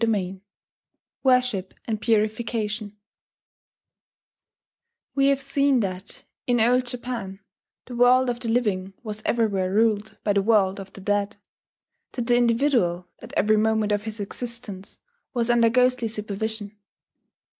WORSHIP AND PURIFICATION We have seen that, in Old Japan, the world of the living was everywhere ruled by the world of the dead, that the individual, at every moment of his existence, was under ghostly supervision.